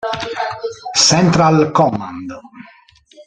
Central Command.